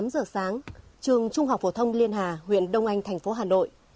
tám giờ sáng trường trung học phổ thông liên hà huyện đông anh tp hà nội